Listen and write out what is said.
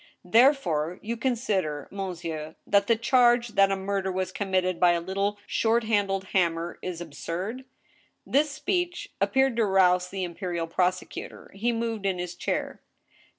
"Therefore you consider, monsieur, that the chaise that a murder was committed by a litde, short handled hammer is ab surd?" This speech appeared to rouse the imperial prosecutor; he moved in his chair.